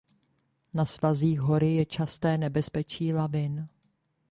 Na svazích hory je časté nebezpečí lavin.